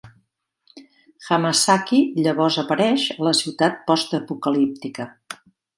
Hamasaki llavors apareix a la ciutat postapocalíptica.